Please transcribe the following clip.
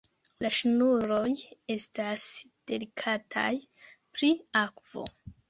La ŝnuroj estas delikataj pri akvo.